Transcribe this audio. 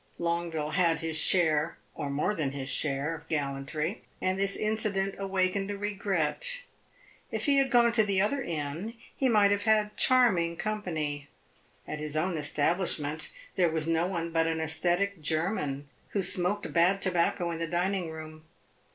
Longueville had his share or more than his share of gallantry, and this incident awakened a regret. If he had gone to the other inn he might have had charming company: at his own establishment there was no one but an aesthetic German who smoked bad tobacco in the dining room.